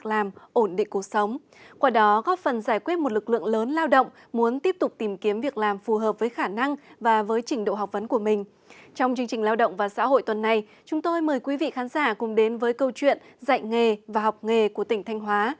trong chương trình lao động và xã hội tuần này chúng tôi mời quý vị khán giả cùng đến với câu chuyện dạy nghề và học nghề của tỉnh thanh hóa